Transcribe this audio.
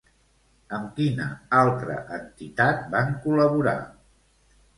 Amb quina altra entitat van col·laborar?